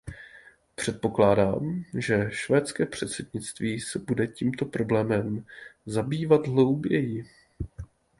Předpokládám, že švédské předsednictví se bude tímto problémem zabývat hlouběji.